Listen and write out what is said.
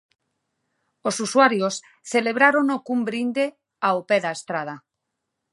Os usuarios celebrárono cun brinde ao pé da estrada.